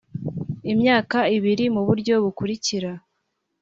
Imyaka ibiri mu buryo bukurikira